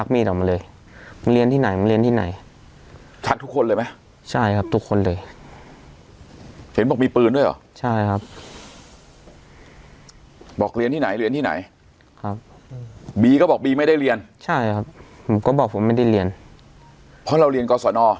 บอกเรียนที่ไหนเรียนที่ไหนครับบีก็บอกบีไม่ได้เรียนใช่ครับผมก็บอกผมไม่ได้เรียนเพราะเราเรียนกรสนอ